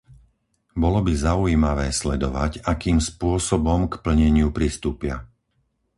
Bolo by zaujímavé sledovať, akým spôsobom k plneniu pristúpia.